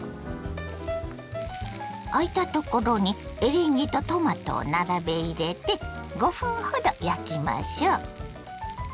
あいたところにエリンギとトマトを並べ入れて５分ほど焼きましょ。